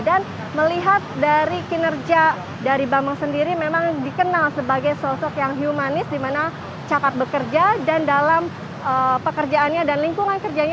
dan melihat dari kinerja dari bama sendiri memang dikenal sebagai sosok yang humanis dimana cakat bekerja dan dalam pekerjaannya dan lingkungan kerjanya